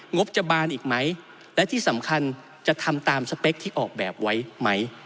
บจะบานอีกไหมและที่สำคัญจะทำตามสเปคที่ออกแบบไว้ไหม